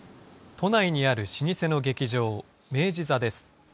都内にある老舗の劇場、明治座です。